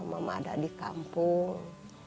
mama ada di kampung